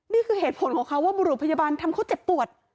นี่คือเหตุผลของเขาว่าบุรุษพยาบาลทำเขาเจ็บปวด